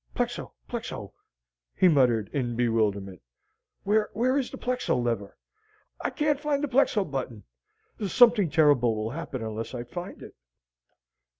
"Plexo, plexo!" he muttered in bewilderment. "Where is the plexo lever? I can't find the plexo button! Something terrible will happen unless I find it."